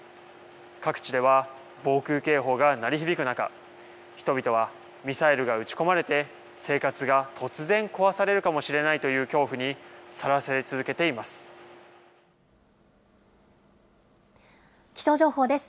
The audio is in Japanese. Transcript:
各地では防空警報が鳴り響く中、人々はミサイルが打ち込まれて生活が突然壊されるかもしれないと気象情報です。